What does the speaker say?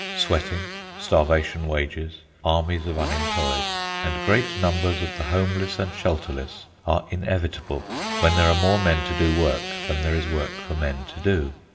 Sweating, starvation wages, armies of unemployed, and great numbers of the homeless and shelterless are inevitable when there are more men to do work than there is work for men to do.